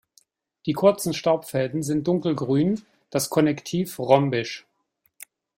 Die kurzen Staubfäden sind dunkelgrün, das Konnektiv rhombisch.